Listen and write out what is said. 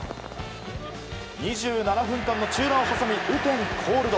２７分間の中断を挟み雨天コールド。